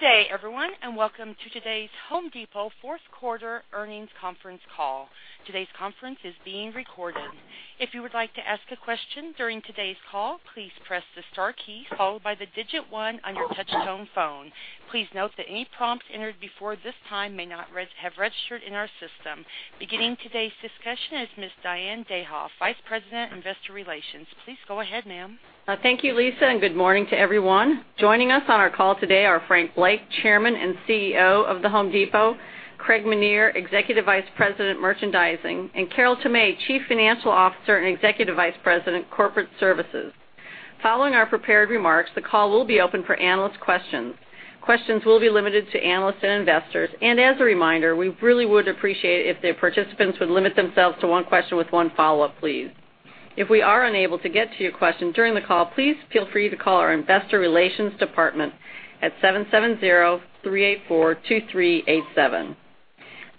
Good day, everyone, and welcome to today's The Home Depot fourth quarter earnings conference call. Today's conference is being recorded. If you would like to ask a question during today's call, please press the star key followed by the digit 1 on your touchtone phone. Please note that any prompts entered before this time may not have registered in our system. Beginning today's discussion is Ms. Diane Dayhoff, Vice President, Investor Relations. Please go ahead, ma'am. Thank you, Lisa, and good morning to everyone. Joining us on our call today are Frank Blake, Chairman and CEO of The Home Depot, Craig Menear, Executive Vice President, Merchandising, and Carol Tomé, Chief Financial Officer and Executive Vice President, Corporate Services. Following our prepared remarks, the call will be open for analyst questions. Questions will be limited to analysts and investors. As a reminder, we really would appreciate it if the participants would limit themselves to one question with one follow-up, please. If we are unable to get to your question during the call, please feel free to call our investor relations department at 770-384-2387.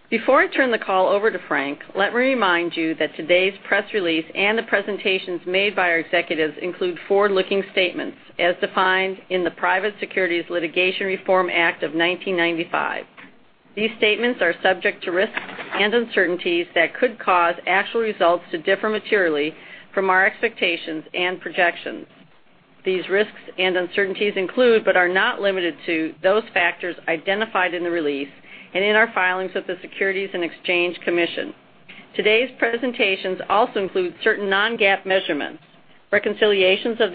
Before I turn the call over to Frank, let me remind you that today's press release and the presentations made by our executives include forward-looking statements as defined in the Private Securities Litigation Reform Act of 1995. These statements are subject to risks and uncertainties that could cause actual results to differ materially from our expectations and projections. These risks and uncertainties include, but are not limited to, those factors identified in the release and in our filings with the Securities and Exchange Commission. Today's presentations also include certain non-GAAP measurements. Reconciliations of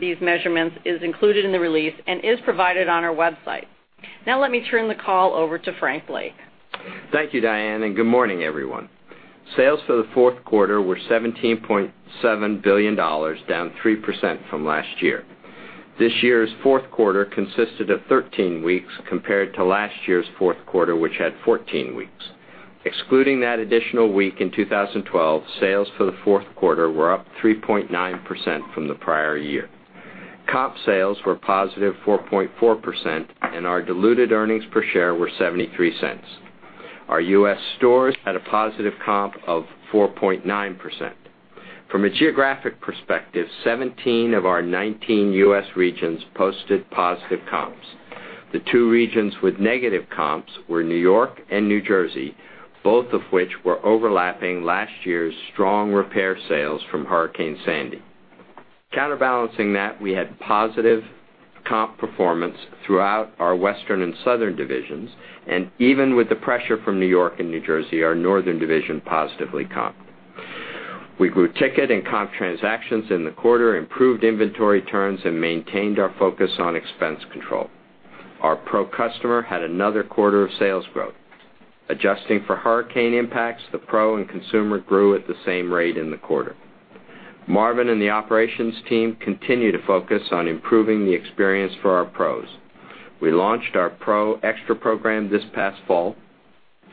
these measurements is included in the release and is provided on our website. Now let me turn the call over to Frank Blake. Thank you, Diane, and good morning, everyone. Sales for the fourth quarter were $17.7 billion, down 3% from last year. This year's fourth quarter consisted of 13 weeks, compared to last year's fourth quarter, which had 14 weeks. Excluding that additional week in 2012, sales for the fourth quarter were up 3.9% from the prior year. Comp sales were positive 4.4%, and our diluted earnings per share were $0.73. Our U.S. stores had a positive comp of 4.9%. From a geographic perspective, 17 of our 19 U.S. regions posted positive comps. The two regions with negative comps were New York and New Jersey, both of which were overlapping last year's strong repair sales from Hurricane Sandy. Counterbalancing that, we had positive comp performance throughout our Western and Southern divisions, and even with the pressure from New York and New Jersey, our Northern division positively comped. We grew ticket and comp transactions in the quarter, improved inventory turns, and maintained our focus on expense control. Our pro customer had another quarter of sales growth. Adjusting for hurricane impacts, the pro and consumer grew at the same rate in the quarter. Marvin and the operations team continue to focus on improving the experience for our pros. We launched our Pro Xtra program this past fall.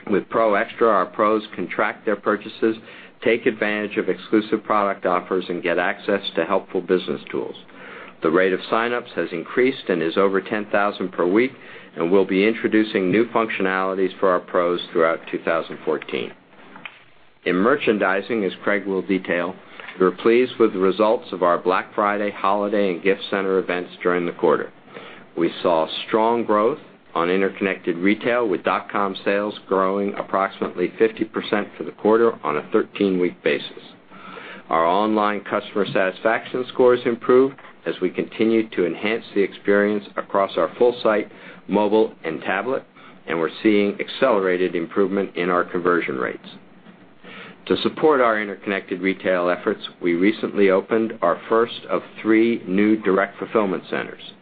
With Pro Xtra, our pros can track their purchases, take advantage of exclusive product offers, and get access to helpful business tools. The rate of sign-ups has increased and is over 10,000 per week, we'll be introducing new functionalities for our pros throughout 2014. In merchandising, as Craig will detail, we're pleased with the results of our Black Friday holiday and gift center events during the quarter. We saw strong growth on interconnected retail, with dot-com sales growing approximately 50% for the quarter on a 13-week basis. Our online customer satisfaction scores improved as we continued to enhance the experience across our full site, mobile, and tablet, we're seeing accelerated improvement in our conversion rates. To support our interconnected retail efforts, we recently opened our first of three new direct fulfillment centers.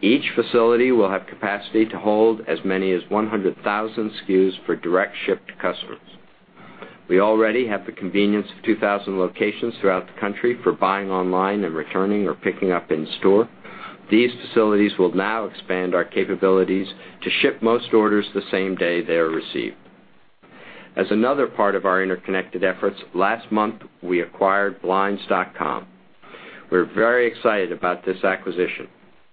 Each facility will have capacity to hold as many as 100,000 SKUs for direct ship to customers. We already have the convenience of 2,000 locations throughout the country for buying online and returning or picking up in store. These facilities will now expand our capabilities to ship most orders the same day they are received. As another part of our interconnected efforts, last month, we acquired Blinds.com. We're very excited about this acquisition.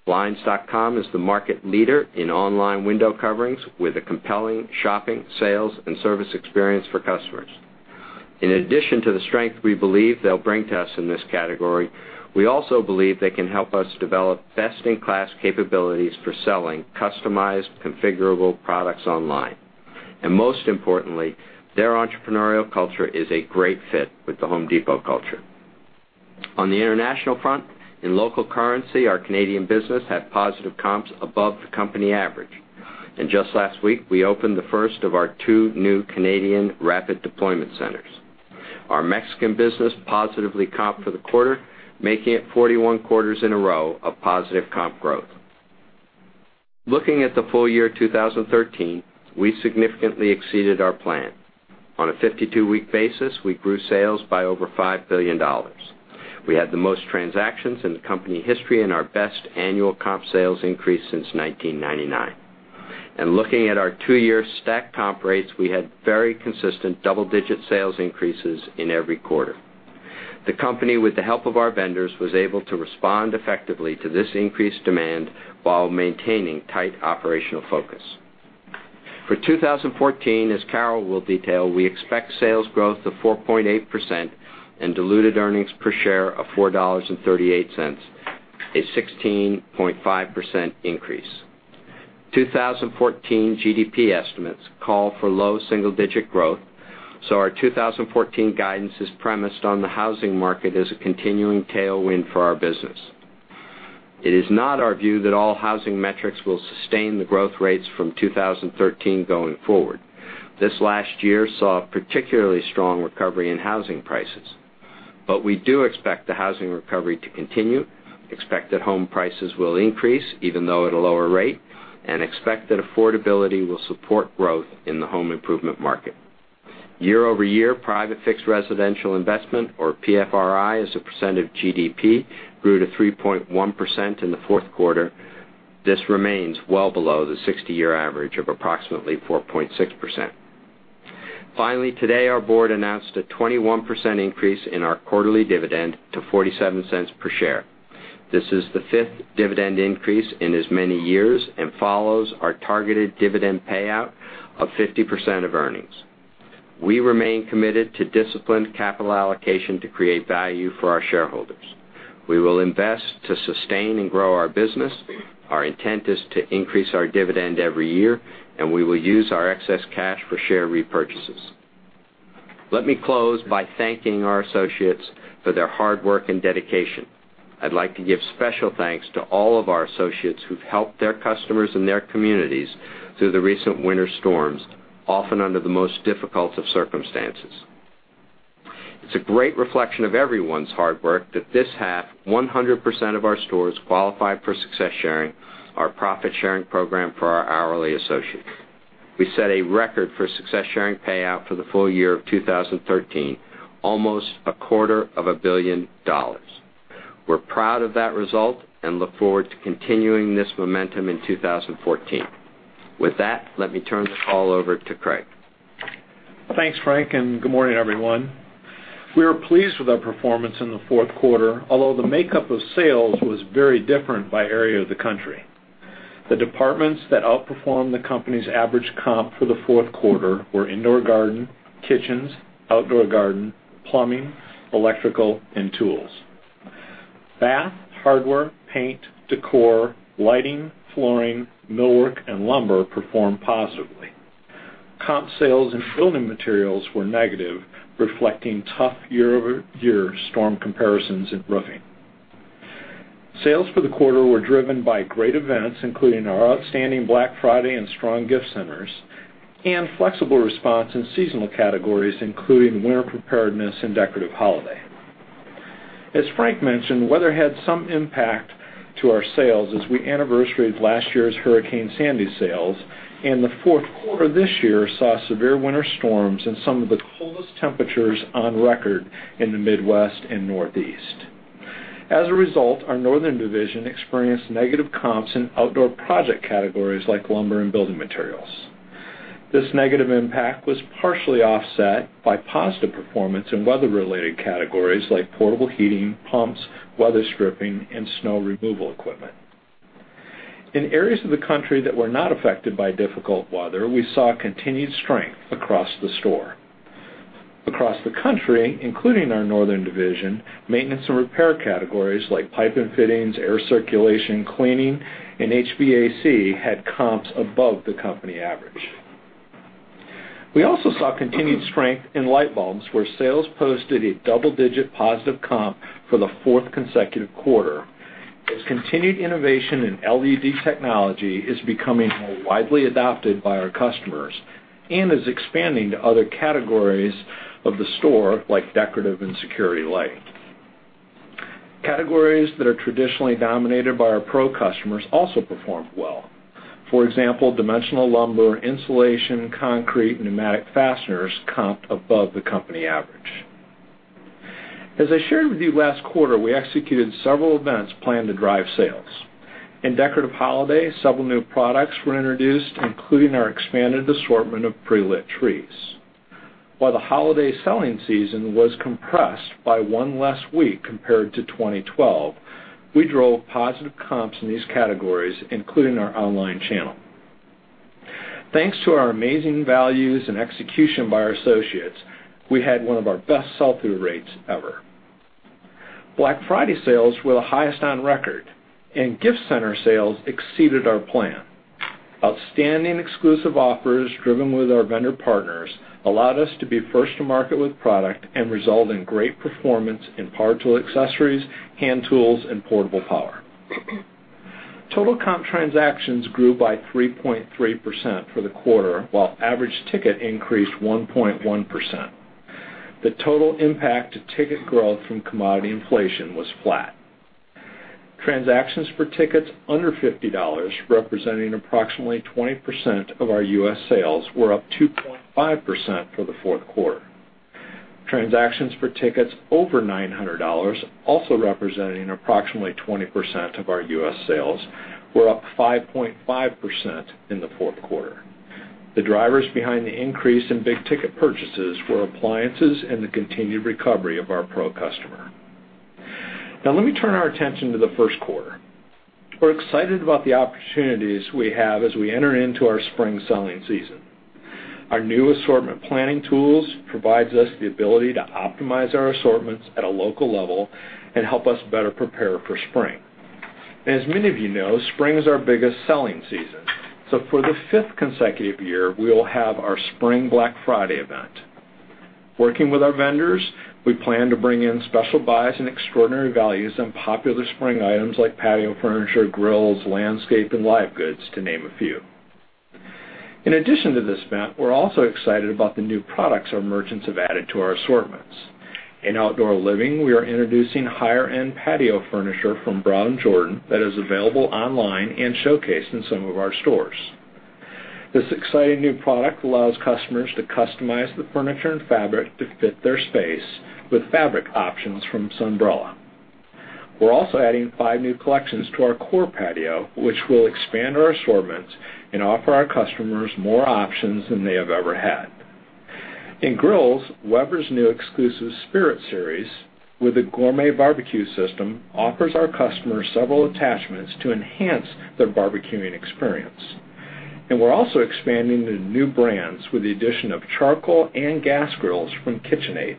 Blinds.com is the market leader in online window coverings with a compelling shopping, sales, and service experience for customers. In addition to the strength we believe they'll bring to us in this category, we also believe they can help us develop best-in-class capabilities for selling customized, configurable products online. Most importantly, their entrepreneurial culture is a great fit with The Home Depot culture. On the international front, in local currency, our Canadian business had positive comps above the company average. Just last week, we opened the first of our two new Canadian rapid deployment centers. Our Mexican business positively comped for the quarter, making it 41 quarters in a row of positive comp growth. Looking at the full year 2013, we significantly exceeded our plan. On a 52-week basis, we grew sales by over $5 billion. We had the most transactions in the company history and our best annual comp sales increase since 1999. Looking at our two-year stacked comp rates, we had very consistent double-digit sales increases in every quarter. The company, with the help of our vendors, was able to respond effectively to this increased demand while maintaining tight operational focus. For 2014, as Carol will detail, we expect sales growth of 4.8% and diluted earnings per share of $4.38, a 16.5% increase. 2014 GDP estimates call for low single-digit growth, our 2014 guidance is premised on the housing market as a continuing tailwind for our business. It is not our view that all housing metrics will sustain the growth rates from 2013 going forward. This last year saw a particularly strong recovery in housing prices. We do expect the housing recovery to continue, expect that home prices will increase even though at a lower rate, and expect that affordability will support growth in the home improvement market. Year-over-year Private Fixed Residential Investment, or PFRI, as a % of GDP, grew to 3.1% in the fourth quarter. This remains well below the 60-year average of approximately 4.6%. Finally, today, our board announced a 21% increase in our quarterly dividend to $0.47 per share. This is the fifth dividend increase in as many years and follows our targeted dividend payout of 50% of earnings. We remain committed to disciplined capital allocation to create value for our shareholders. We will invest to sustain and grow our business. Our intent is to increase our dividend every year, and we will use our excess cash for share repurchases. Let me close by thanking our associates for their hard work and dedication. I'd like to give special thanks to all of our associates who've helped their customers and their communities through the recent winter storms, often under the most difficult of circumstances. It's a great reflection of everyone's hard work that this half, 100% of our stores qualify for Success Sharing, our profit-sharing program for our hourly associates. We set a record for Success Sharing payout for the full year of 2013, almost a quarter of a billion dollars. We're proud of that result and look forward to continuing this momentum in 2014. With that, let me turn the call over to Craig. Thanks, Frank, and good morning, everyone. We are pleased with our performance in the fourth quarter, although the makeup of sales was very different by area of the country. The departments that outperformed the company's average comp for the fourth quarter were indoor garden, kitchens, outdoor garden, plumbing, electrical, and tools. Bath, hardware, paint, decor, lighting, flooring, millwork, and lumber performed positively. Comp sales and building materials were negative, reflecting tough year-over-year storm comparisons in roofing. Sales for the quarter were driven by great events, including our outstanding Black Friday and strong gift centers, and flexible response in seasonal categories, including winter preparedness and decorative holiday. As Frank mentioned, weather had some impact to our sales as we anniversaried last year's Hurricane Sandy sales, and the fourth quarter this year saw severe winter storms and some of the coldest temperatures on record in the Midwest and Northeast. As a result, our northern division experienced negative comps in outdoor project categories like lumber and building materials. This negative impact was partially offset by positive performance in weather-related categories like portable heating, pumps, weather stripping, and snow removal equipment. In areas of the country that were not affected by difficult weather, we saw continued strength across the store. Across the country, including our northern division, maintenance and repair categories like pipe and fittings, air circulation, cleaning, and HVAC had comps above the company average. We also saw continued strength in light bulbs, where sales posted a double-digit positive comp for the fourth consecutive quarter, as continued innovation in LED technology is becoming more widely adopted by our customers and is expanding to other categories of the store, like decorative and security lighting. Categories that are traditionally dominated by our pro customers also performed well. For example, dimensional lumber, insulation, concrete, and pneumatic fasteners comped above the company average. As I shared with you last quarter, we executed several events planned to drive sales. In decorative holiday, several new products were introduced, including our expanded assortment of pre-lit trees. While the holiday selling season was compressed by one last week compared to 2012, we drove positive comps in these categories, including our online channel. Thanks to our amazing values and execution by our associates, we had one of our best sell-through rates ever. Black Friday sales were the highest on record, and gift center sales exceeded our plan. Outstanding exclusive offers driven with our vendor partners allowed us to be first to market with product and result in great performance in power tool accessories, hand tools, and portable power. Total comp transactions grew by 3.3% for the quarter, while average ticket increased 1.1%. The total impact to ticket growth from commodity inflation was flat. Transactions for tickets under $50, representing approximately 20% of our U.S. sales, were up 2.5% for the fourth quarter. Transactions for tickets over $900, also representing approximately 20% of our U.S. sales, were up 5.5% in the fourth quarter. The drivers behind the increase in big-ticket purchases were appliances and the continued recovery of our Pro customer. Let me turn our attention to the first quarter. We're excited about the opportunities we have as we enter into our spring selling season. Our new assortment planning tools provides us the ability to optimize our assortments at a local level and help us better prepare for spring. As many of you know, spring is our biggest selling season. For the fifth consecutive year, we will have our spring Black Friday event. Working with our vendors, we plan to bring in special buys and extraordinary values on popular spring items like patio furniture, grills, landscape, and live goods, to name a few. In addition to this event, we're also excited about the new products our merchants have added to our assortments. In outdoor living, we are introducing higher-end patio furniture from Brown Jordan that is available online and showcased in some of our stores. This exciting new product allows customers to customize the furniture and fabric to fit their space with fabric options from Sunbrella. We're also adding five new collections to our core patio, which will expand our assortments and offer our customers more options than they have ever had. In grills, Weber's new exclusive Spirit series, with a gourmet barbecue system, offers our customers several attachments to enhance their barbecuing experience. We're also expanding to new brands with the addition of charcoal and gas grills from KitchenAid.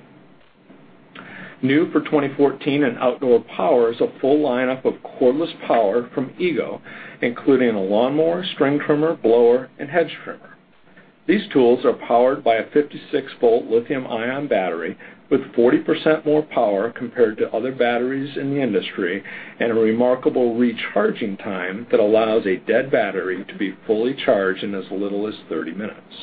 New for 2014 in outdoor power is a full lineup of cordless power from EGO, including a lawnmower, string trimmer, blower, and hedge trimmer. These tools are powered by a 56-volt lithium-ion battery with 40% more power compared to other batteries in the industry and a remarkable recharging time that allows a dead battery to be fully charged in as little as 30 minutes.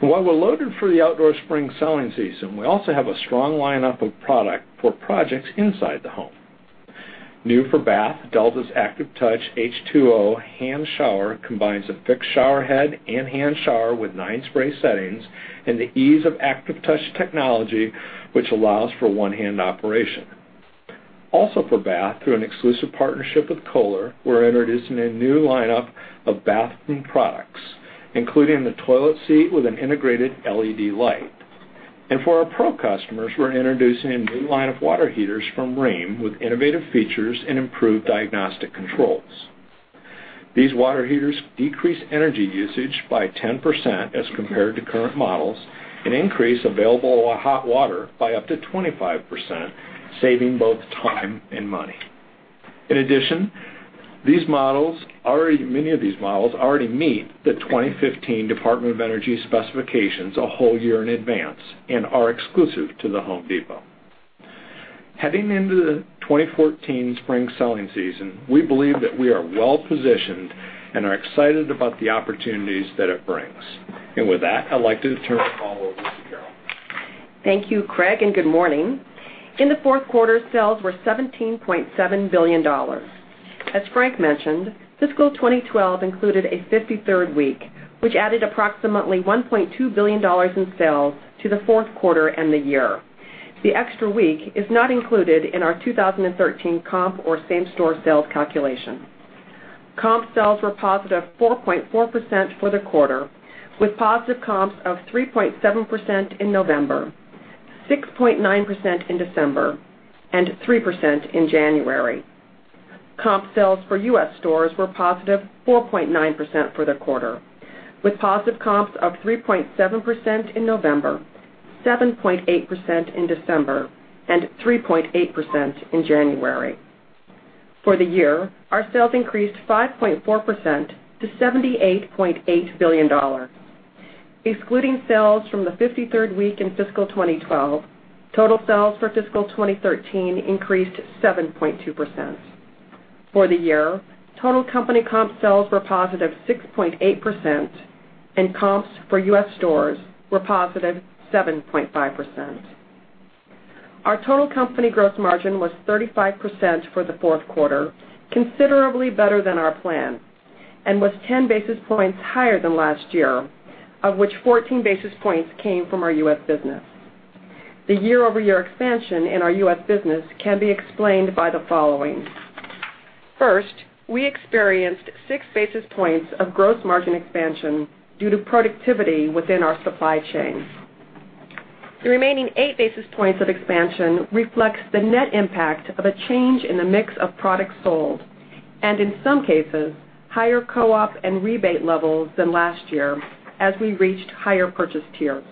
While we're loaded for the outdoor spring selling season, we also have a strong lineup of product for projects inside the home. New for bath, Delta's Active Touch H2O hand shower combines a fixed shower head and hand shower with nine spray settings and the ease of Active Touch technology, which allows for one-hand operation. Also for bath, through an exclusive partnership with Kohler, we're introducing a new lineup of bathroom products, including the toilet seat with an integrated LED light. For our pro customers, we're introducing a new line of water heaters from Rheem with innovative features and improved diagnostic controls. These water heaters decrease energy usage by 10% as compared to current models and increase available hot water by up to 25%, saving both time and money. In addition, many of these models already meet the 2015 Department of Energy specifications a whole year in advance and are exclusive to The Home Depot. Heading into the 2014 spring selling season, we believe that we are well-positioned and are excited about the opportunities that it brings. With that, I'd like to turn the call over to Carol. Thank you, Craig, good morning. In the fourth quarter, sales were $17.7 billion. As Frank mentioned, fiscal 2012 included a 53rd week, which added approximately $1.2 billion in sales to the fourth quarter and the year. The extra week is not included in our 2013 comp or same-store sales calculation. Comp sales were positive 4.4% for the quarter, with positive comps of 3.7% in November, 6.9% in December, and 3% in January. Comp sales for U.S. stores were positive 4.9% for the quarter, with positive comps of 3.7% in November, 7.8% in December, and 3.8% in January. For the year, our sales increased 5.4% to $78.8 billion. Excluding sales from the 53rd week in fiscal 2012, total sales for fiscal 2013 increased 7.2%. For the year, total company comp sales were positive 6.8% and comps for U.S. stores were positive 7.5%. Our total company gross margin was 35% for the fourth quarter, considerably better than our plan, and was 10 basis points higher than last year, of which 14 basis points came from our U.S. business. The year-over-year expansion in our U.S. business can be explained by the following. First, we experienced six basis points of gross margin expansion due to productivity within our supply chain. The remaining eight basis points of expansion reflects the net impact of a change in the mix of products sold, and in some cases, higher co-op and rebate levels than last year as we reached higher purchase tiers.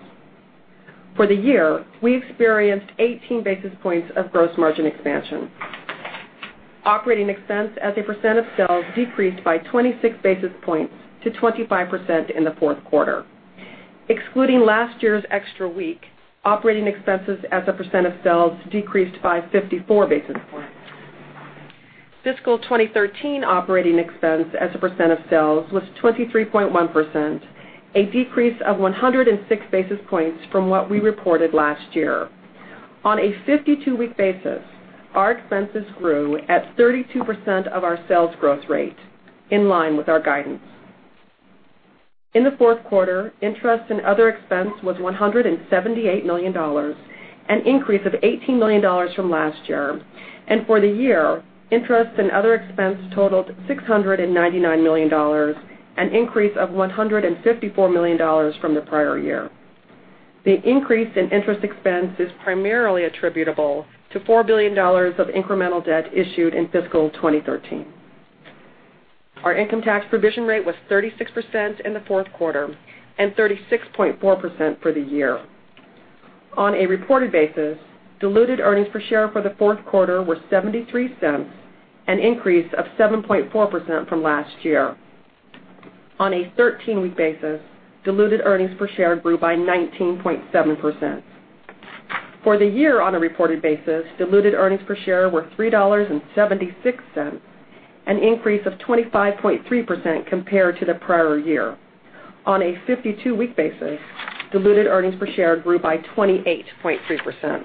For the year, we experienced 18 basis points of gross margin expansion. Operating expense as a percent of sales decreased by 26 basis points to 25% in the fourth quarter. Excluding last year's extra week, operating expenses as a percent of sales decreased by 54 basis points. Fiscal 2013 operating expense as a percent of sales was 23.1%, a decrease of 106 basis points from what we reported last year. On a 52-week basis, our expenses grew at 32% of our sales growth rate, in line with our guidance. In the fourth quarter, interest and other expense was $178 million, an increase of $18 million from last year. For the year, interest and other expense totaled $699 million, an increase of $154 million from the prior year. The increase in interest expense is primarily attributable to $4 billion of incremental debt issued in fiscal 2013. Our income tax provision rate was 36% in the fourth quarter and 36.4% for the year. On a reported basis, diluted earnings per share for the fourth quarter were $0.73, an increase of 7.4% from last year. On a 13-week basis, diluted earnings per share grew by 19.7%. For the year on a reported basis, diluted earnings per share were $3.76, an increase of 25.3% compared to the prior year. On a 52-week basis, diluted earnings per share grew by 28.3%.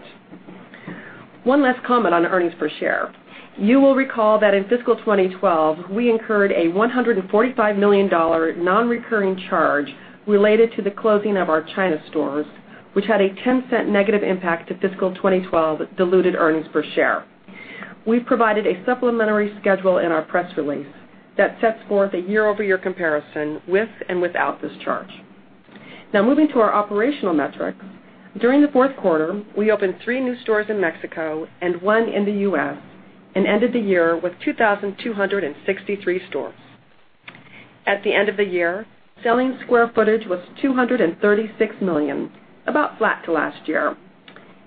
One last comment on earnings per share. You will recall that in fiscal 2012, we incurred a $145 million non-recurring charge related to the closing of our China stores, which had a $0.10 negative impact to fiscal 2012 diluted earnings per share. We've provided a supplementary schedule in our press release that sets forth a year-over-year comparison with and without this charge. Moving to our operational metrics. During the fourth quarter, we opened three new stores in Mexico and one in the U.S. and ended the year with 2,263 stores. At the end of the year, selling square footage was 236 million sq ft, about flat to last year,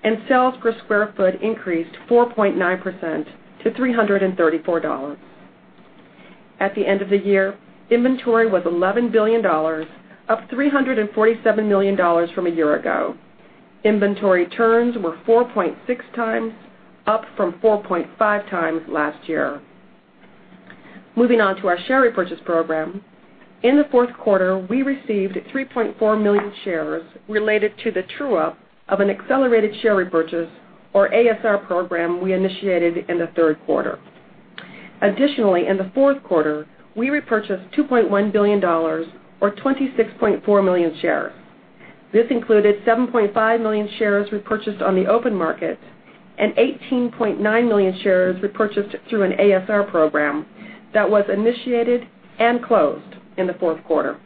and sales per square foot increased 4.9% to $334. At the end of the year, inventory was $11 billion, up $347 million from a year ago. Inventory turns were 4.6 times, up from 4.5 times last year. Moving on to our share repurchase program. In the fourth quarter, we received 3.4 million shares related to the true-up of an accelerated share repurchase or ASR program we initiated in the third quarter. Additionally, in the fourth quarter, we repurchased $2.1 billion or 26.4 million shares. This included 7.5 million shares repurchased on the open market and 18.9 million shares repurchased through an ASR program that was initiated and closed in the fourth quarter.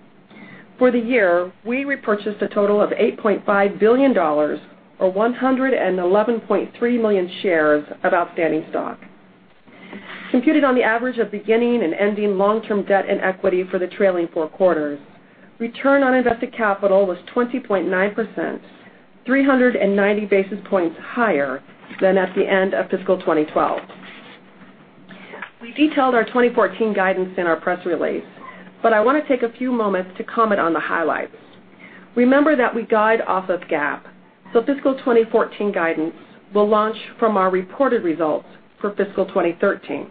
For the year, we repurchased a total of $8.5 billion or 111.3 million shares of outstanding stock. Computed on the average of beginning and ending long-term debt and equity for the trailing four quarters, return on invested capital was 20.9%, 390 basis points higher than at the end of fiscal 2012. We detailed our 2014 guidance in our press release, but I want to take a few moments to comment on the highlights. Remember that we guide off of GAAP, so fiscal 2014 guidance will launch from our reported results for fiscal 2013.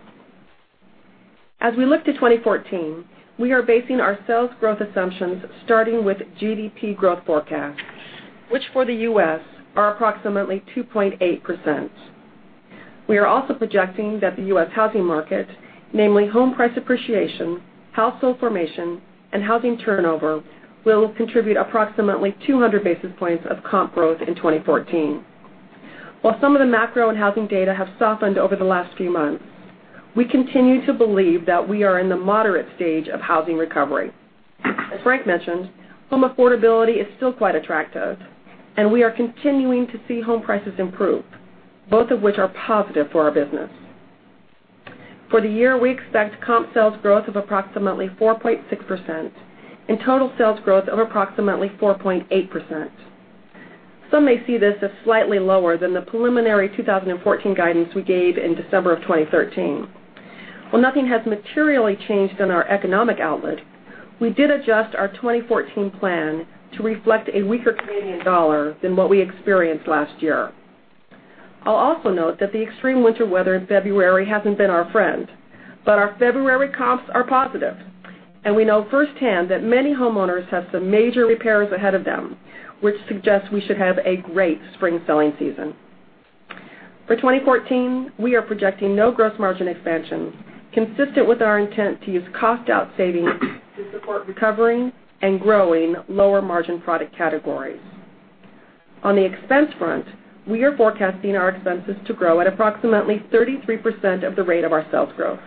As we look to 2014, we are basing our sales growth assumptions starting with GDP growth forecast, which for the U.S. are approximately 2.8%. We are also projecting that the U.S. housing market, namely home price appreciation, household formation, and housing turnover, will contribute approximately 200 basis points of comp growth in 2014. While some of the macro and housing data have softened over the last few months, we continue to believe that we are in the moderate stage of housing recovery. As Frank mentioned, home affordability is still quite attractive, and we are continuing to see home prices improve, both of which are positive for our business. For the year, we expect comp sales growth of approximately 4.6% and total sales growth of approximately 4.8%. Some may see this as slightly lower than the preliminary 2014 guidance we gave in December of 2013. While nothing has materially changed in our economic outlook, we did adjust our 2014 plan to reflect a weaker Canadian dollar than what we experienced last year. I'll also note that the extreme winter weather in February hasn't been our friend, but our February comps are positive, and we know firsthand that many homeowners have some major repairs ahead of them, which suggests we should have a great spring selling season. For 2014, we are projecting no gross margin expansion, consistent with our intent to use cost out savings to support recovering and growing lower margin product categories. On the expense front, we are forecasting our expenses to grow at approximately 33% of the rate of our sales growth.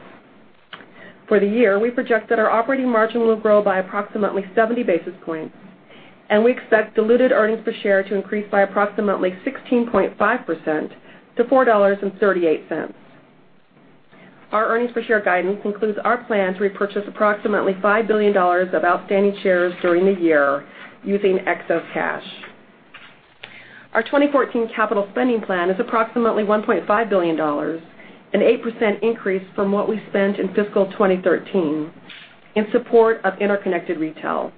For the year, we project that our operating margin will grow by approximately 70 basis points, and we expect diluted earnings per share to increase by approximately 16.5% to $4.38. Our earnings per share guidance includes our plan to repurchase approximately $5 billion of outstanding shares during the year using excess cash. Our 2014 capital spending plan is approximately $1.5 billion, an 8% increase from what we spent in fiscal 2013 in support of interconnected retail.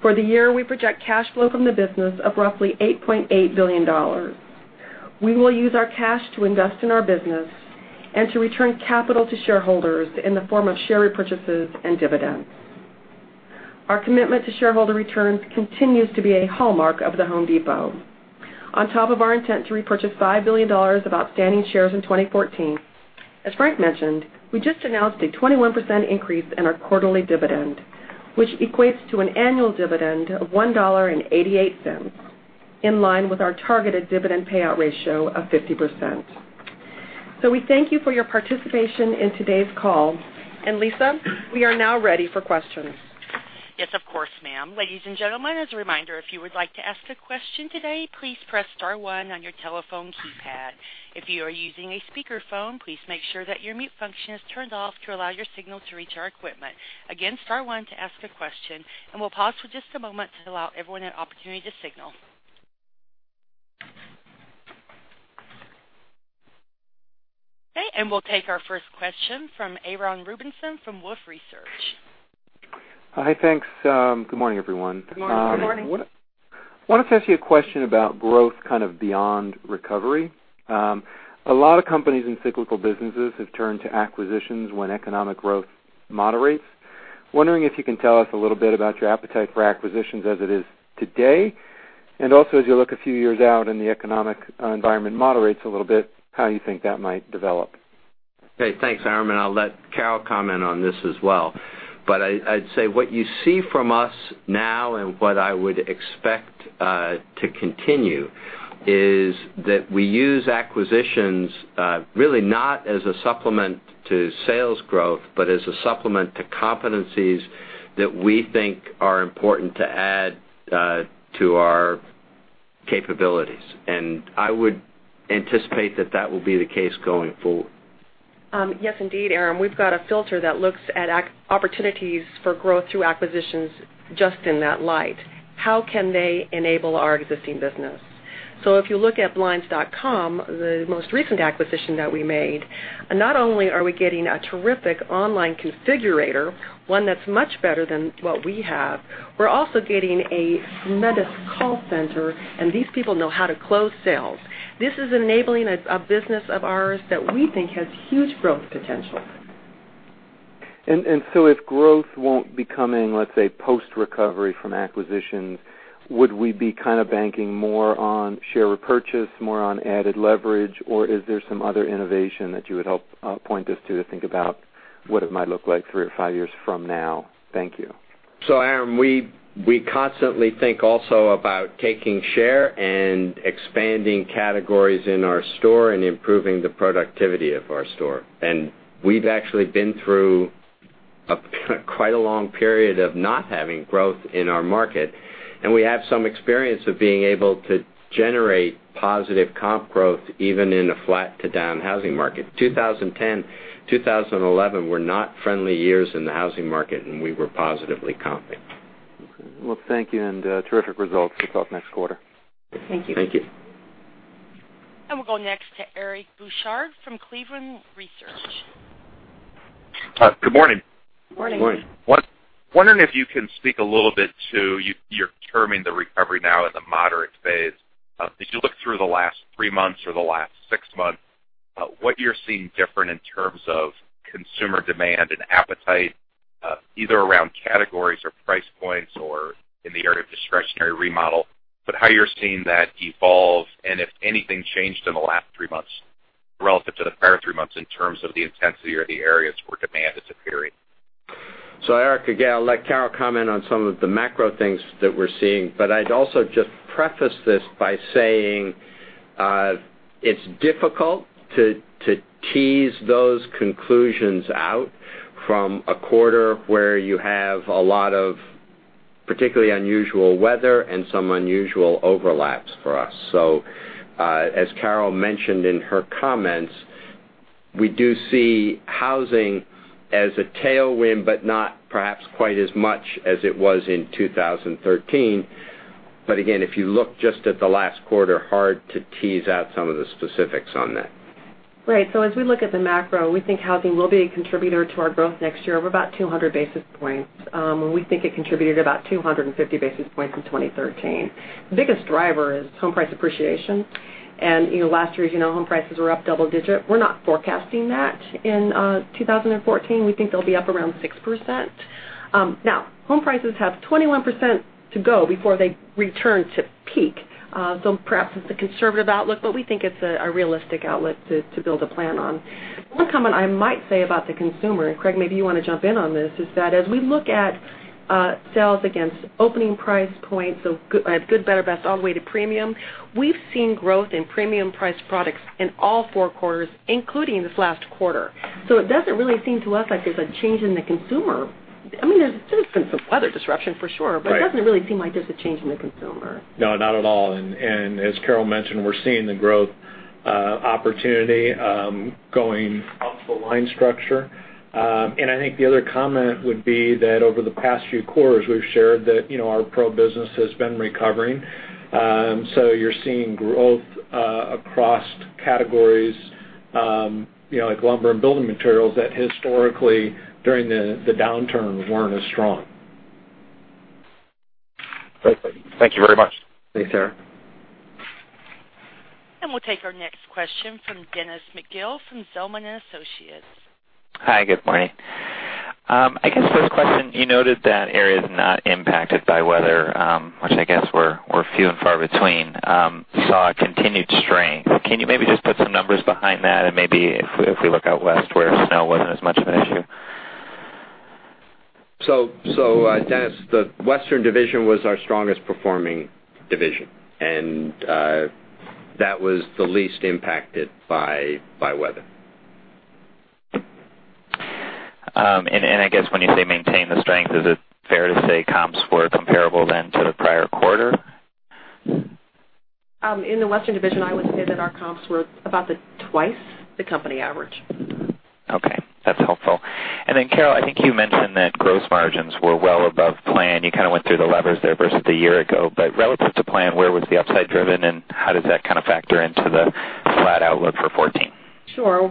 For the year, we project cash flow from the business of roughly $8.8 billion. We will use our cash to invest in our business and to return capital to shareholders in the form of share repurchases and dividends. Our commitment to shareholder returns continues to be a hallmark of The Home Depot. On top of our intent to repurchase $5 billion of outstanding shares in 2014, as Frank mentioned, we just announced a 21% increase in our quarterly dividend, which equates to an annual dividend of $1.88, in line with our targeted dividend payout ratio of 50%. We thank you for your participation in today's call. Lisa, we are now ready for questions. Yes, of course, ma'am. Ladies and gentlemen, as a reminder, if you would like to ask a question today, please press star one on your telephone keypad. If you are using a speakerphone, please make sure that your mute function is turned off to allow your signal to reach our equipment. Again, star one to ask a question, we'll pause for just a moment to allow everyone an opportunity to signal. We'll take our first question from Aram Rubinson from Wolfe Research. Hi, thanks. Good morning, everyone. Good morning. Good morning. Wanted to ask you a question about growth beyond recovery. A lot of companies in cyclical businesses have turned to acquisitions when economic growth moderates. Wondering if you can tell us a little bit about your appetite for acquisitions as it is today, and also as you look a few years out and the economic environment moderates a little bit, how you think that might develop. Okay. Thanks, Aram, I'll let Carol comment on this as well. I'd say what you see from us now and what I would expect to continue is that we use acquisitions really not as a supplement to sales growth, but as a supplement to competencies that we think are important to add to our capabilities. I would anticipate that that will be the case going forward. Yes, indeed, Aram. We've got a filter that looks at opportunities for growth through acquisitions just in that light. How can they enable our existing business? If you look at Blinds.com, the most recent acquisition that we made, not only are we getting a terrific online configurator, one that's much better than what we have, we're also getting a tremendous call center, and these people know how to close sales. This is enabling a business of ours that we think has huge growth potential. If growth won't be coming, let's say, post-recovery from acquisitions, would we be banking more on share repurchase, more on added leverage, or is there some other innovation that you would help point us to think about what it might look like three or five years from now? Thank you. Aram, we constantly think also about taking share and expanding categories in our store and improving the productivity of our store. We've actually been through quite a long period of not having growth in our market, and we have some experience of being able to generate positive comp growth even in a flat-to-down housing market. 2010, 2011 were not friendly years in the housing market, and we were positively comping. Okay. Well, thank you, and terrific results. We'll talk next quarter. Thank you. Thank you. We'll go next to Eric Bosshard from Cleveland Research. Good morning. Morning. Good morning. Wondering if you can speak a little bit to, you're terming the recovery now as a moderate phase. As you look through the last three months or the last six months, what you're seeing different in terms of consumer demand and appetite, either around categories or price points or in the area of discretionary remodel, how you're seeing that evolve and if anything changed in the last three months relative to the prior three months in terms of the intensity or the areas where demand is appearing. Eric, again, I'll let Carol comment on some of the macro things that we're seeing, I'd also just preface this by saying, it's difficult to tease those conclusions out from a quarter where you have a lot of particularly unusual weather and some unusual overlaps for us. As Carol mentioned in her comments, we do see housing as a tailwind, not perhaps quite as much as it was in 2013. Again, if you look just at the last quarter, hard to tease out some of the specifics on that. Right. As we look at the macro, we think housing will be a contributor to our growth next year of about 200 basis points. We think it contributed about 250 basis points in 2013. The biggest driver is home price appreciation. Last year, as you know, home prices were up double digit. We're not forecasting that in 2014. We think they'll be up around 6%. Home prices have 21% to go before they return to peak. Perhaps it's a conservative outlook, but we think it's a realistic outlet to build a plan on. One comment I might say about the consumer, Craig, maybe you want to jump in on this, is that as we look at sales against opening price points, good, better, best, all the way to premium, we've seen growth in premium-priced products in all four quarters, including this last quarter. It doesn't really seem to us like there's a change in the consumer. There's been some weather disruption for sure. Right It doesn't really seem like there's a change in the consumer. No, not at all. As Carol mentioned, we're seeing the growth opportunity going up the line structure. I think the other comment would be that over the past few quarters, we've shared that our pro business has been recovering. You're seeing growth across categories like lumber and building materials that historically, during the downturn, weren't as strong. Great. Thank you. Thank you very much. Thanks, Eric. We'll take our next question from Dennis McGill from Zelman & Associates. Hi, good morning. I guess first question, you noted that areas not impacted by weather, which I guess were few and far between, saw continued strength. Can you maybe just put some numbers behind that and maybe if we look out west where snow wasn't as much of an issue? Dennis, the Western Division was our strongest performing division, that was the least impacted by weather. I guess when you say maintain the strength, is it fair to say comps were comparable then to the prior quarter? In the Western Division, I would say that our comps were about twice the company average. Okay. That's helpful. Then Carol, I think you mentioned that gross margins were well above plan. You kind of went through the levers there versus the year ago. Relative to plan, where was the upside driven, and how does that kind of factor into the flat outlook for 2014? Sure.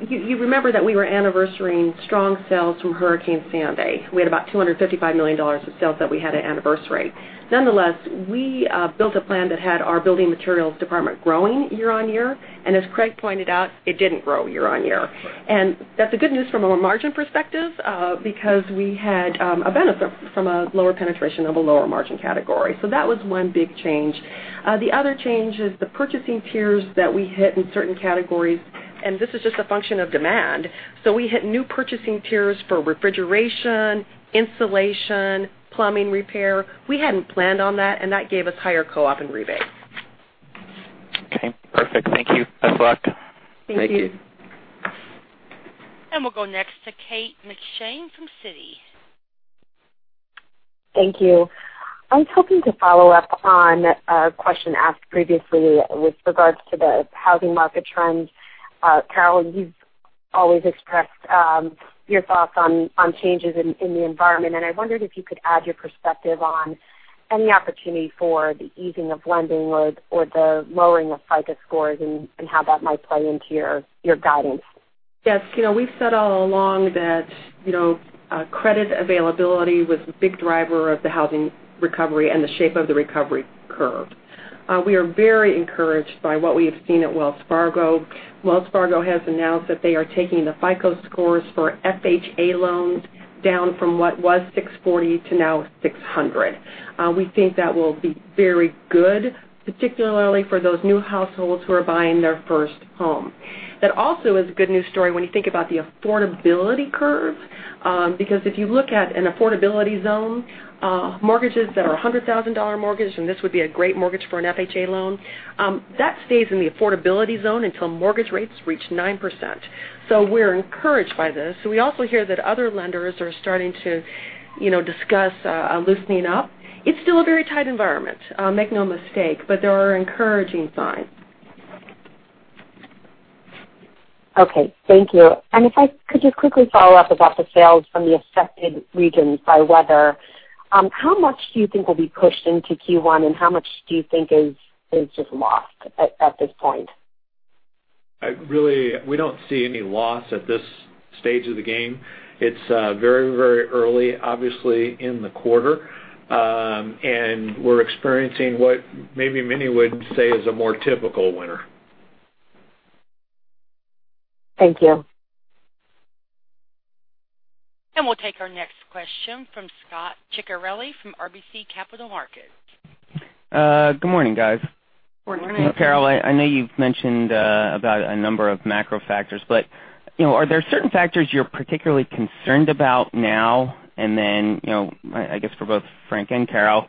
Well, you remember that we were anniversarying strong sales from Hurricane Sandy. We had about $255 million of sales that we had to anniversary. Nonetheless, we built a plan that had our building materials department growing year-on-year. As Craig pointed out, it didn't grow year-on-year. Right. That's a good news from a margin perspective, because we had a benefit from a lower penetration of a lower margin category. That was one big change. The other change is the purchasing tiers that we hit in certain categories. This is just a function of demand. We hit new purchasing tiers for refrigeration, insulation, plumbing repair. We hadn't planned on that. That gave us higher co-op and rebates. Okay, perfect. Thank you. Best of luck. Thank you. Thank you. We'll go next to Kate McShane from Citi. Thank you. I was hoping to follow up on a question asked previously with regards to the housing market trends. Carol, you've always expressed your thoughts on changes in the environment, and I wondered if you could add your perspective on any opportunity for the easing of lending or the lowering of FICO scores and how that might play into your guidance. Yes. We've said all along that credit availability was a big driver of the housing recovery and the shape of the recovery curve. We are very encouraged by what we have seen at Wells Fargo. Wells Fargo has announced that they are taking the FICO scores for FHA loans down from what was 640 to now 600. We think that will be very good, particularly for those new households who are buying their first home. That also is a good news story when you think about the affordability curve. If you look at an affordability zone, mortgages that are $100,000 mortgage, and this would be a great mortgage for an FHA loan, that stays in the affordability zone until mortgage rates reach 9%. We're encouraged by this. We also hear that other lenders are starting to discuss loosening up. It's still a very tight environment, make no mistake. There are encouraging signs. Okay. Thank you. If I could just quickly follow up about the sales from the affected regions by weather. How much do you think will be pushed into Q1, and how much do you think is just lost at this point? Really, we don't see any loss at this stage of the game. It's very early, obviously, in the quarter. We're experiencing what maybe many would say is a more typical winter. Thank you. We'll take our next question from Scot Ciccarelli from RBC Capital Markets. Good morning, guys. Good morning. Good morning. Carol, I know you've mentioned about a number of macro factors, are there certain factors you're particularly concerned about now? I guess for both Frank and Carol,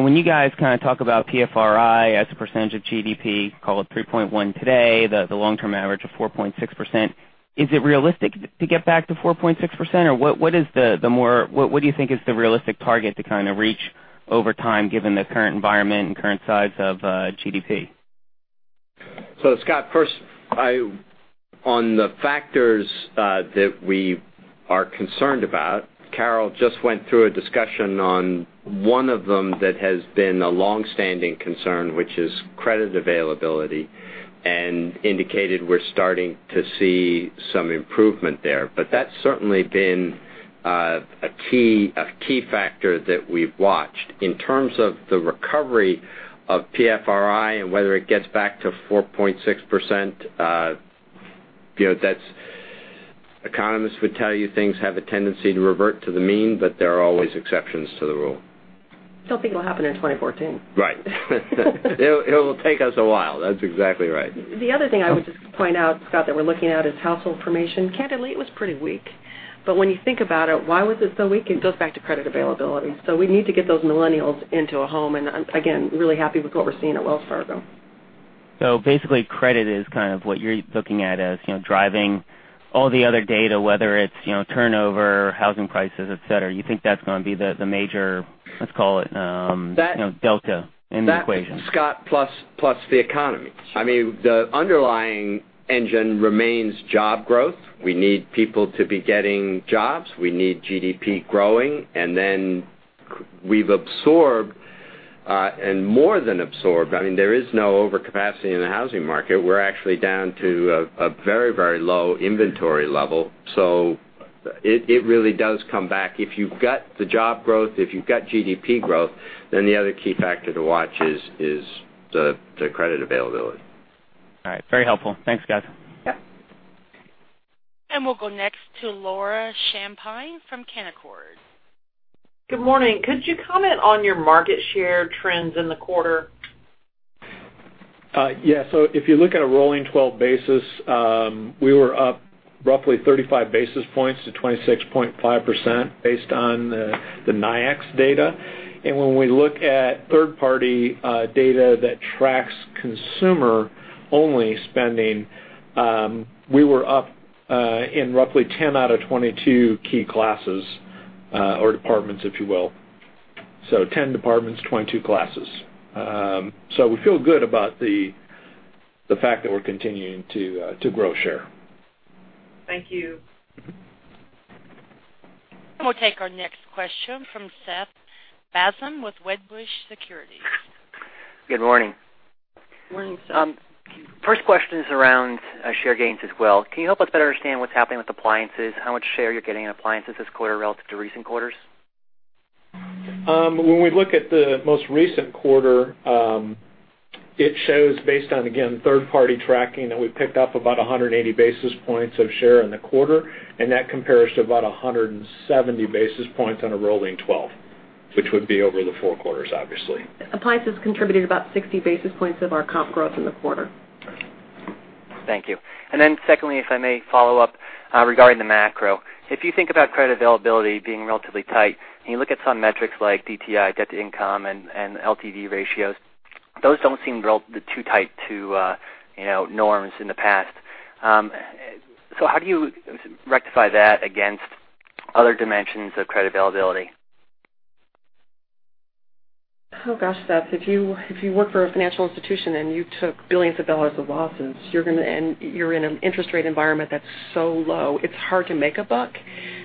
when you guys kind of talk about PFRI as a percentage of GDP, call it 3.1 today, the long-term average of 4.6%, is it realistic to get back to 4.6%? What do you think is the realistic target to kind of reach over time given the current environment and current size of GDP? Scot, first, on the factors that we are concerned about, Carol just went through a discussion on one of them that has been a longstanding concern, which is credit availability, and indicated we're starting to see some improvement there. That's certainly been a key factor that we've watched. In terms of the recovery of PFRI and whether it gets back to 4.6%, economists would tell you things have a tendency to revert to the mean, there are always exceptions to the rule. Don't think it'll happen in 2014. Right. It will take us a while. That's exactly right. The other thing I would just point out, Scot, that we're looking at is household formation. Candidly, it was pretty weak. When you think about it, why was it so weak? It goes back to credit availability. We need to get those millennials into a home, and again, really happy with what we're seeing at Wells Fargo. Basically, credit is kind of what you're looking at as driving all the other data, whether it's turnover, housing prices, et cetera. You think that's going to be the major, let's call it, delta in the equation. That, Scot, plus the economy. The underlying engine remains job growth. We need people to be getting jobs. We need GDP growing, and then we've absorbed, and more than absorbed, there is no overcapacity in the housing market. We're actually down to a very low inventory level. It really does come back. If you've got the job growth, if you've got GDP growth, the other key factor to watch is the credit availability. All right. Very helpful. Thanks, guys. Yep. We'll go next to Laura Champine from Canaccord. Good morning. Could you comment on your market share trends in the quarter? If you look at a rolling 12 basis, we were up roughly 35 basis points to 26.5% based on the NAICS data. When we look at third-party data that tracks consumer-only spending, we were up in roughly 10 out of 22 key classes or departments, if you will. 10 departments, 22 classes. We feel good about the fact that we're continuing to grow share. Thank you. We'll take our next question from Seth Basham with Wedbush Securities. Good morning. Morning, Seth. First question is around share gains as well. Can you help us better understand what's happening with appliances, how much share you're getting in appliances this quarter relative to recent quarters? When we look at the most recent quarter, it shows based on, again, third-party tracking, that we picked up about 180 basis points of share in the quarter, and that compares to about 170 basis points on a rolling 12, which would be over the four quarters, obviously. Appliances contributed about 60 basis points of our comp growth in the quarter. Thank you. Thank you. Secondly, if I may follow up, regarding the macro. If you think about credit availability being relatively tight, and you look at some metrics like DTI, debt-to-income, and LTV ratios, those don't seem too tight to norms in the past. How do you rectify that against other dimensions of credit availability? Oh gosh, Seth. If you work for a financial institution, and you took $ billions of losses, and you're in an interest rate environment that's so low, it's hard to make a buck,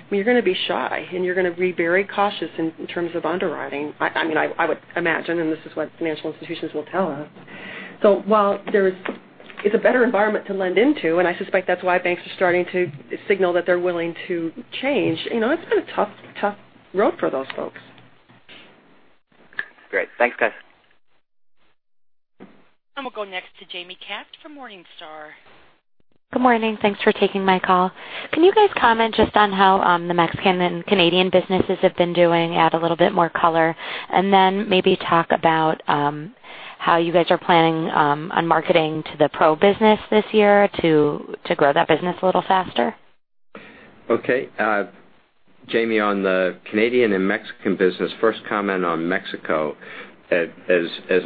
you're going to be shy, and you're going to be very cautious in terms of underwriting. I would imagine, and this is what financial institutions will tell us. While it's a better environment to lend into, and I suspect that's why banks are starting to signal that they're willing to change, it's been a tough road for those folks. Great. Thanks, guys. We'll go next to Jaime Katz from Morningstar. Good morning. Thanks for taking my call. Can you guys comment just on how the Mexican and Canadian businesses have been doing, add a little bit more color, and then maybe talk about how you guys are planning on marketing to the pro business this year to grow that business a little faster? Okay. Jaime, on the Canadian and Mexican business, first comment on Mexico. As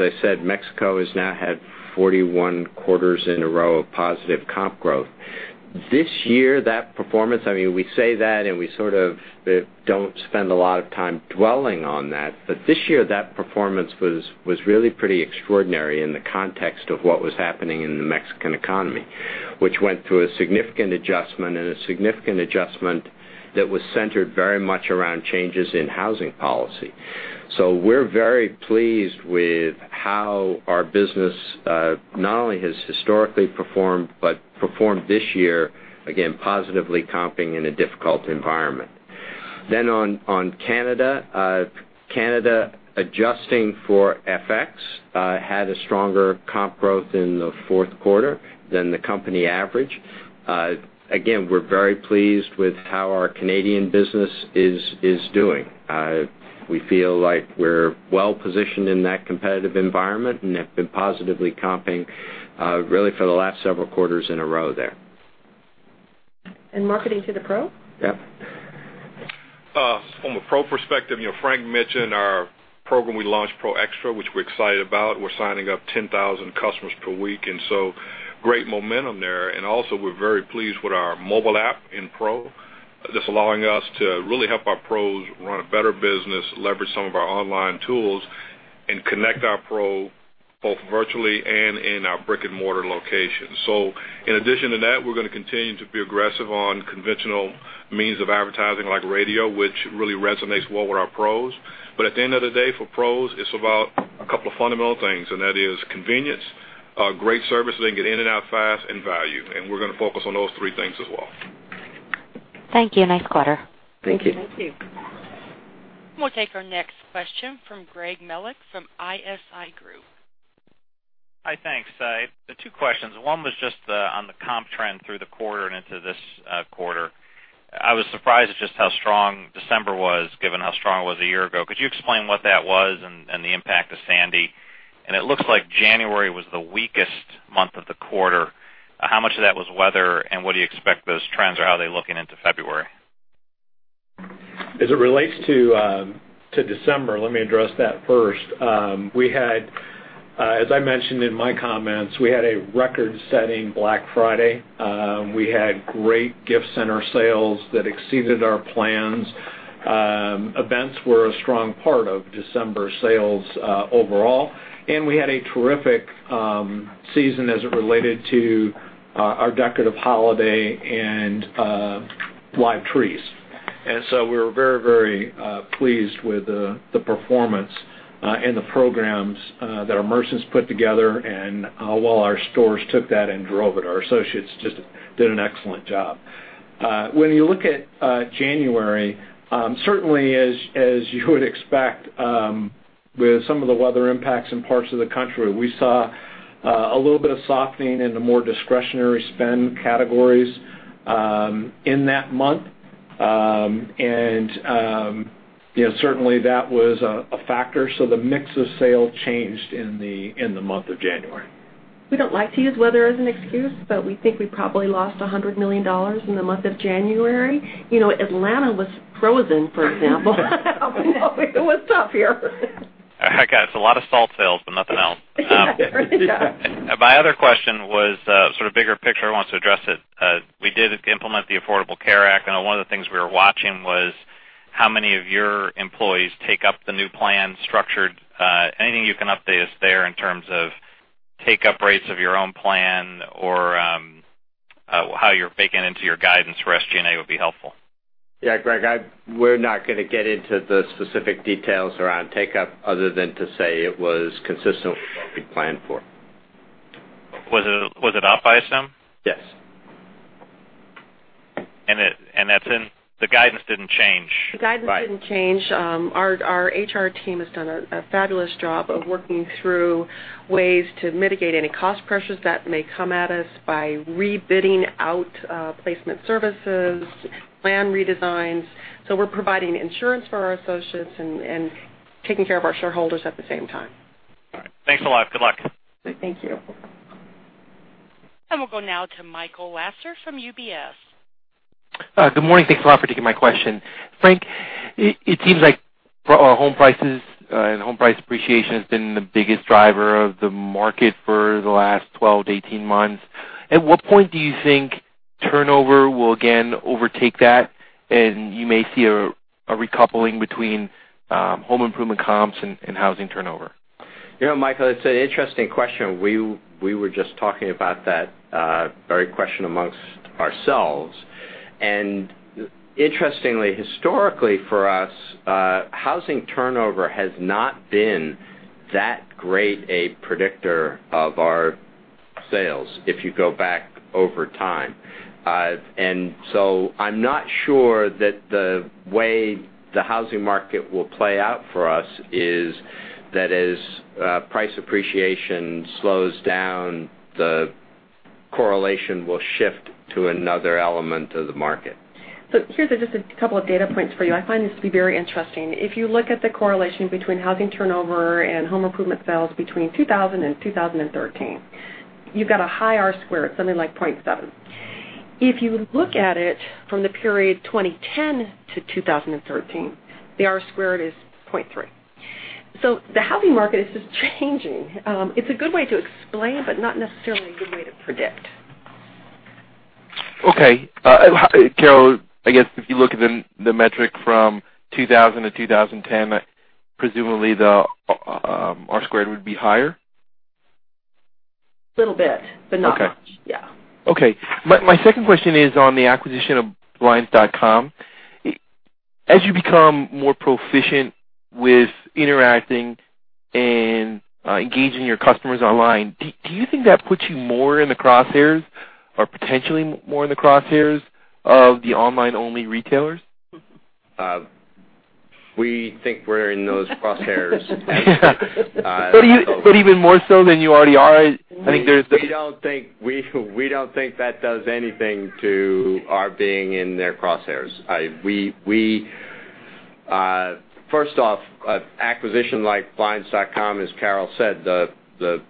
I said, Mexico has now had 41 quarters in a row of positive comp growth. This year, that performance, we say that and we sort of don't spend a lot of time dwelling on that, but this year that performance was really pretty extraordinary in the context of what was happening in the Mexican economy, which went through a significant adjustment, and a significant adjustment that was centered very much around changes in housing policy. We're very pleased with how our business not only has historically performed but performed this year, again, positively comping in a difficult environment. On Canada. Canada, adjusting for FX, had a stronger comp growth in the fourth quarter than the company average. Again, we're very pleased with how our Canadian business is doing. We feel like we're well-positioned in that competitive environment and have been positively comping really for the last several quarters in a row there. Marketing to the pro? Yep. From a pro perspective, Frank mentioned our program we launched, Pro Xtra, which we're excited about. We're signing up 10,000 customers per week, great momentum there. Also, we're very pleased with our mobile app in Pro. That's allowing us to really help our pros run a better business, leverage some of our online tools, and connect our pro both virtually and in our brick-and-mortar location. In addition to that, we're going to continue to be aggressive on conventional means of advertising like radio, which really resonates well with our pros. At the end of the day, for pros, it's about a couple of fundamental things, and that is convenience, great service so they can get in and out fast, and value. We're going to focus on those three things as well. Thank you. Nice quarter. Thank you. Thank you. We'll take our next question from Greg Melich from ISI Group. Hi, thanks. Two questions. One was just on the comp trend through the quarter and into this quarter. I was surprised at just how strong December was given how strong it was a year ago. Could you explain what that was and the impact of Sandy? It looks like January was the weakest month of the quarter. How much of that was weather, and what do you expect those trends, or how are they looking into February? As it relates to December, let me address that first. As I mentioned in my comments, we had a record-setting Black Friday. We had great gift center sales that exceeded our plans. Events were a strong part of December sales overall. We had a terrific season as it related to our decorative holiday and live trees. We were very pleased with the performance and the programs that our merchants put together, and how well our stores took that and drove it. Our associates just did an excellent job. When you look at January, certainly as you would expect with some of the weather impacts in parts of the country, we saw a little bit of softening in the more discretionary spend categories in that month Certainly, that was a factor. The mix of sale changed in the month of January. We don't like to use weather as an excuse, but we think we probably lost $100 million in the month of January. Atlanta was frozen, for example. It was tough here. I got it. It's a lot of salt sales, but nothing else. Yeah. My other question was sort of bigger picture, I wanted to address it. We did implement the Affordable Care Act, one of the things we were watching was how many of your employees take up the new plan structured. Anything you can update us there in terms of take-up rates of your own plan or how you're baking into your guidance for SG&A would be helpful. Yeah. Greg, we're not going to get into the specific details around take-up other than to say it was consistent with what we planned for. Was it up, I assume? Yes. The guidance didn't change. The guidance didn't change. Right. Our HR team has done a fabulous job of working through ways to mitigate any cost pressures that may come at us by rebidding out placement services, plan redesigns. We're providing insurance for our associates and taking care of our shareholders at the same time. All right. Thanks a lot. Good luck. Thank you. We'll go now to Michael Lasser from UBS. Good morning. Thanks a lot for taking my question. Frank, it seems like home prices and home price appreciation has been the biggest driver of the market for the last 12-18 months. At what point do you think turnover will again overtake that, and you may see a recoupling between home improvement comps and housing turnover? Michael, it's an interesting question. We were just talking about that very question amongst ourselves. Interestingly, historically for us, housing turnover has not been that great a predictor of our sales, if you go back over time. I'm not sure that the way the housing market will play out for us is that as price appreciation slows down, the correlation will shift to another element of the market. Here's just a couple of data points for you. I find this to be very interesting. If you look at the correlation between housing turnover and home improvement sales between 2000 and 2013, you've got a high R-squared, something like 0.7. If you look at it from the period 2010 to 2013, the R-squared is 0.3. The housing market is just changing. It's a good way to explain, but not necessarily a good way to predict. Okay. Carol, I guess if you look at the metric from 2000 to 2010, presumably the R-squared would be higher? Little bit, but not much. Okay. Yeah. Okay. My second question is on the acquisition of Blinds.com. As you become more proficient with interacting and engaging your customers online, do you think that puts you more in the crosshairs or potentially more in the crosshairs of the online-only retailers? We think we're in those crosshairs. even more so than you already are? I think there's We don't think that does anything to our being in their crosshairs. First off, acquisition like Blinds.com, as Carol said, the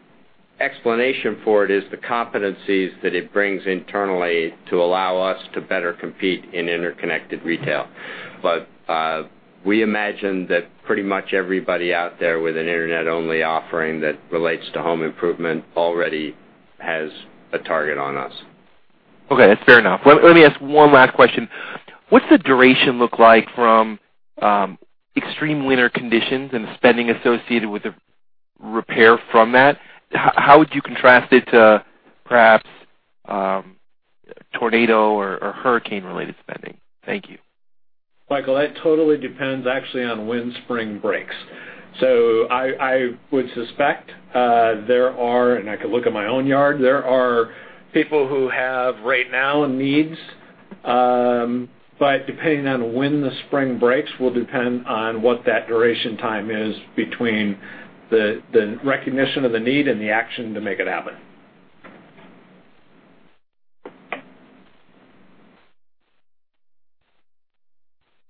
explanation for it is the competencies that it brings internally to allow us to better compete in interconnected retail. We imagine that pretty much everybody out there with an Internet-only offering that relates to home improvement already has a target on us. Okay. That's fair enough. Let me ask one last question. What's the duration look like from extreme winter conditions and the spending associated with the repair from that? How would you contrast it to perhaps tornado or hurricane-related spending? Thank you. Michael, that totally depends actually on when spring breaks. I would suspect there are, and I could look at my own yard, there are people who have right now needs, but depending on when the spring breaks will depend on what that duration time is between the recognition of the need and the action to make it happen.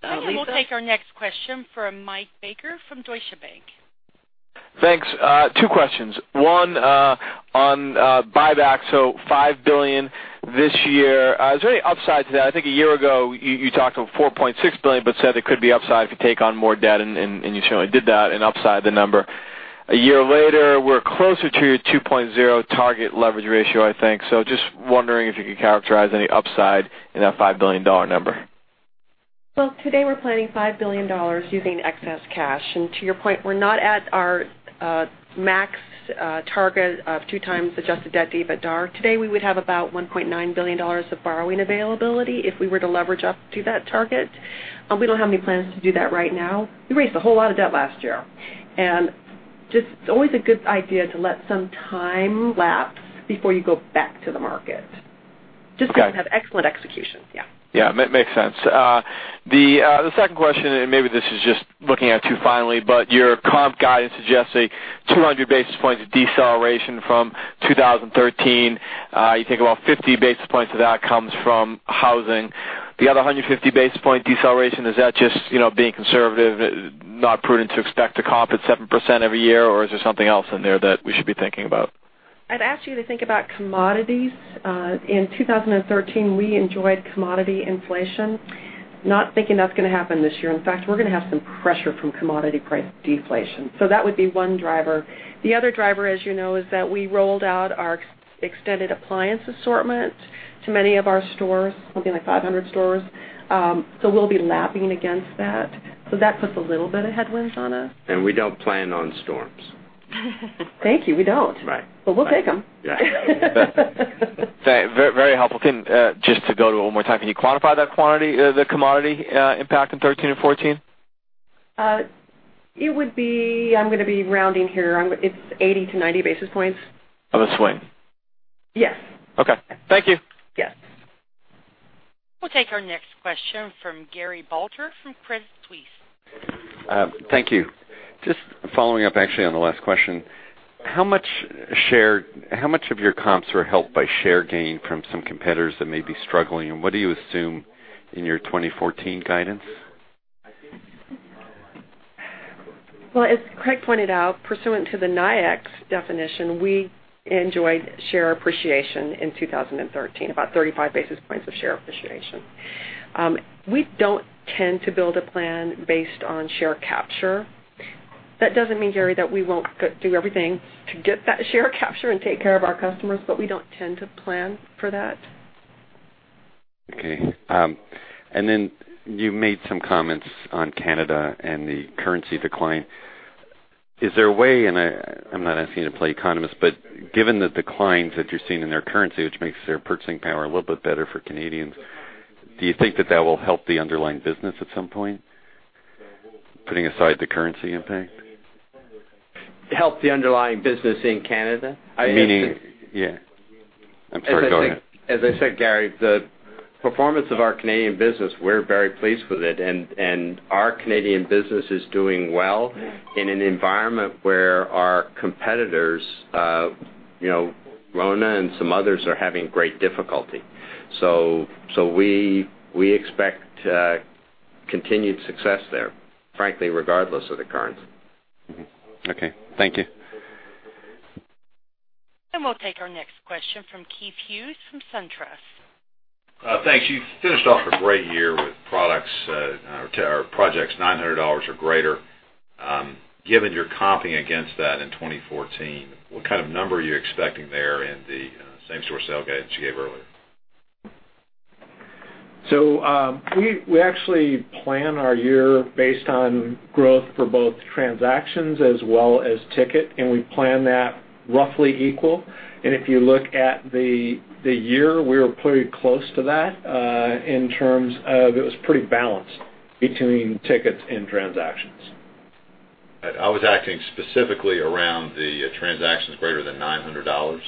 We'll take our next question from Michael Baker from Deutsche Bank. Thanks. Two questions. One, on buyback. $5 billion this year. Is there any upside to that? I think a year ago, you talked of $4.6 billion, said there could be upside if you take on more debt, you certainly did that and upside the number. A year later, we're closer to your 2.0 target leverage ratio, I think. Just wondering if you could characterize any upside in that $5 billion number. Well, today we're planning $5 billion using excess cash. To your point, we're not at our max target of 2 times adjusted debt to EBITDA. Today, we would have about $1.9 billion of borrowing availability if we were to leverage up to that target. We don't have any plans to do that right now. We raised a whole lot of debt last year, it's always a good idea to let some time lapse before you go back to the market. Okay. Just because we have excellent execution. Yeah. Yeah. Makes sense. The second question, maybe this is just looking at too finely, but your comp guidance suggests a 200 basis points of deceleration from 2013. You think about 50 basis points of that comes from housing. The other 150 basis point deceleration, is that just being conservative, not prudent to expect a comp at 7% every year? Is there something else in there that we should be thinking about? I'd ask you to think about commodities. In 2013, we enjoyed commodity inflation. Not thinking that's going to happen this year. In fact, we're going to have some pressure from commodity price deflation. That would be one driver. The other driver, as you know, is that we rolled out our extended appliance assortment to many of our stores, something like 500 stores. We'll be lapping against that. That puts a little bit of headwinds on us. We don't plan on storms. Thank you. We don't. Right. We'll take them. Yeah. Very helpful. Just to go to it one more time, can you quantify that quantity, the commodity impact in 2013 and 2014? It would be, I'm going to be rounding here. It's 80 to 90 basis points. Of a swing. Yes. Okay. Thank you. Yes. We'll take our next question from Gary Balter from Credit Suisse. Thank you. Just following up, actually, on the last question, how much of your comps are helped by share gain from some competitors that may be struggling, and what do you assume in your 2014 guidance? Well, as Craig pointed out, pursuant to the NAICS's definition, we enjoyed share appreciation in 2013, about 35 basis points of share appreciation. We don't tend to build a plan based on share capture. That doesn't mean, Gary, that we won't do everything to get that share capture and take care of our customers, but we don't tend to plan for that. Okay. Then you made some comments on Canada and the currency decline. Is there a way, and I'm not asking you to play economist, but given the declines that you're seeing in their currency, which makes their purchasing power a little bit better for Canadians, do you think that that will help the underlying business at some point? Putting aside the currency impact. Help the underlying business in Canada? Meaning Yeah. I'm sorry. Go ahead. As I said, Gary, the performance of our Canadian business, we're very pleased with it. Our Canadian business is doing well in an environment where our competitors, RONA and some others, are having great difficulty. We expect continued success there, frankly, regardless of the currency. Okay. Thank you. We'll take our next question from Keith Hughes from SunTrust. Thanks. You finished off a great year with projects $900 or greater. Given your comping against that in 2014, what kind of number are you expecting there in the same store sale guidance you gave earlier? We actually plan our year based on growth for both transactions as well as ticket, and we plan that roughly equal. If you look at the year, we were pretty close to that in terms of it was pretty balanced between tickets and transactions. I was asking specifically around the transactions greater than $900.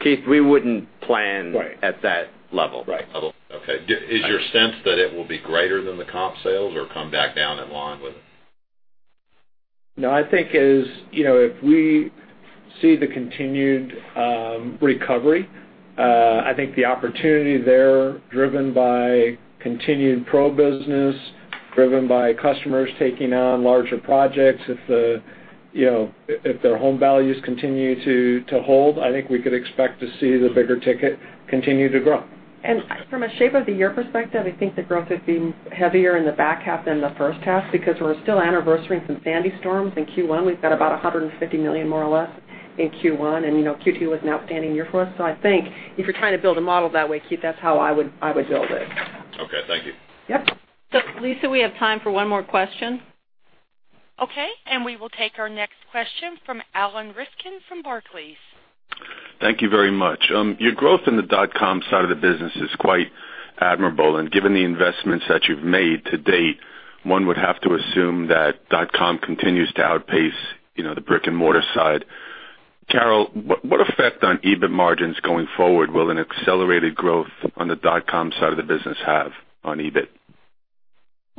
Keith, we wouldn't plan- Right. -at that level. Right. Okay. Right. Is your sense that it will be greater than the comp sales or come back down in line with it? I think as if we see the continued recovery, I think the opportunity there driven by continued pro business, driven by customers taking on larger projects. If their home values continue to hold, I think we could expect to see the bigger ticket continue to grow. From a shape of the year perspective, I think the growth would be heavier in the back half than the first half because we're still anniversarying some Hurricane Sandy storms in Q1. We've got about $150 million, more or less, in Q1, and Q2 was an outstanding year for us. I think if you're trying to build a model that way, Keith, that's how I would build it. Okay. Thank you. Yep. Lisa, we have time for one more question. Okay. We will take our next question from Alan Rifkin from Barclays. Thank you very much. Your growth in the dotcom side of the business is quite admirable, and given the investments that you've made to date, one would have to assume that dotcom continues to outpace the brick-and-mortar side. Carol, what effect on EBIT margins going forward will an accelerated growth on the dotcom side of the business have on EBIT?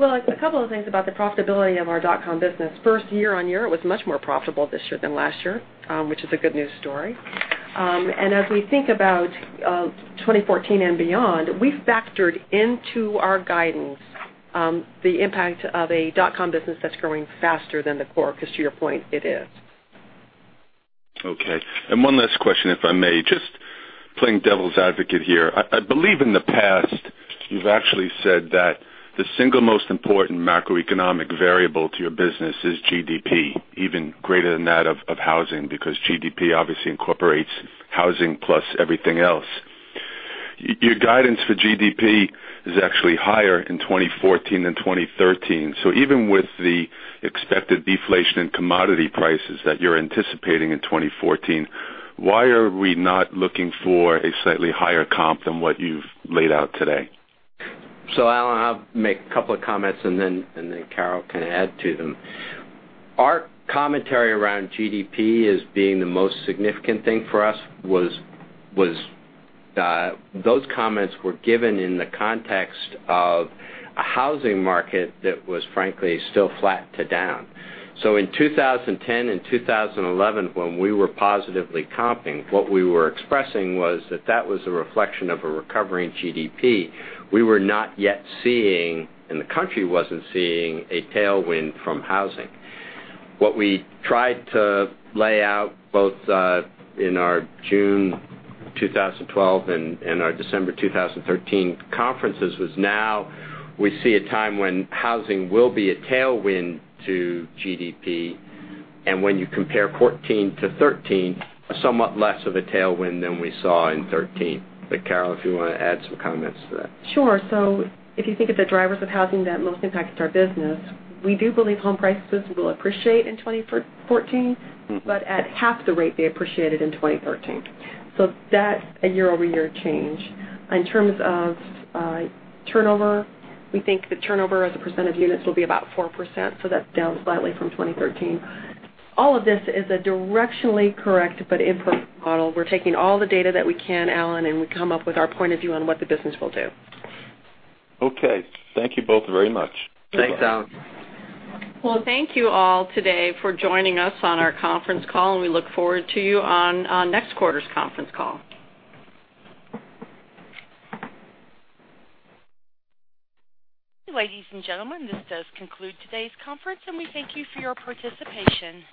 A couple of things about the profitability of our dotcom business. First, year-over-year, it was much more profitable this year than last year, which is a good news story. As we think about 2014 and beyond, we've factored into our guidance the impact of a dotcom business that's growing faster than the core, because to your point, it is. Okay. One last question, if I may. Just playing devil's advocate here, I believe in the past, you've actually said that the single most important macroeconomic variable to your business is GDP, even greater than that of housing, because GDP obviously incorporates housing plus everything else. Your guidance for GDP is actually higher in 2014 than 2013. Even with the expected deflation in commodity prices that you're anticipating in 2014, why are we not looking for a slightly higher comp than what you've laid out today? Alan, I'll make a couple of comments, and then Carol can add to them. Our commentary around GDP as being the most significant thing for us, those comments were given in the context of a housing market that was frankly, still flat to down. In 2010 and 2011, when we were positively comping, what we were expressing was that that was a reflection of a recovery in GDP. We were not yet seeing, and the country wasn't seeing, a tailwind from housing. What we tried to lay out both in our June 2012 and our December 2013 conferences was now we see a time when housing will be a tailwind to GDP, and when you compare 2014 to 2013, somewhat less of a tailwind than we saw in 2013. Carol, if you want to add some comments to that. Sure. If you think of the drivers of housing that most impacts our business, we do believe home prices will appreciate in 2014, but at half the rate they appreciated in 2013. That's a year-over-year change. In terms of turnover, we think the turnover as a percent of units will be about 4%, that's down slightly from 2013. All of this is a directionally correct but imperfect model. We're taking all the data that we can, Alan, and we come up with our point of view on what the business will do. Okay. Thank you both very much. Thanks, Alan. Well, thank you all today for joining us on our conference call. We look forward to you on our next quarter's conference call. Ladies and gentlemen, this does conclude today's conference. We thank you for your participation.